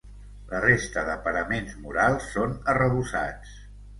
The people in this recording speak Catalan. La resta de paraments murals són arrebossats.